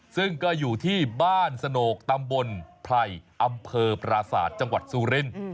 ซึ่งก็อยู่ที่บ้านสโนกตำบลไพรอำเภอปราศาสตร์จังหวัดสุรินทร์